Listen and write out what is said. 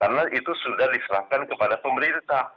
karena itu sudah diserahkan kepada pemerintah